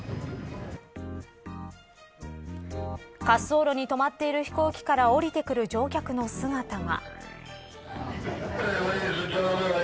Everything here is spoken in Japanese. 滑走路に止まっている飛行機から降りてくる乗客の姿が。